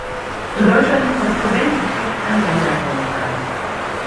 In Deutschland nimmt das studentische Fechten eine Sonderstellung ein.